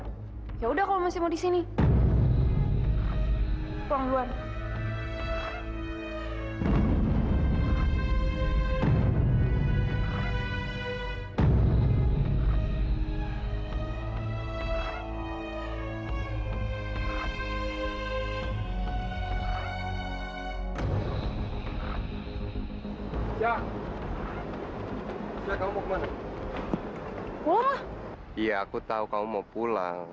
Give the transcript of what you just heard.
iya aku tahu kamu mau pulang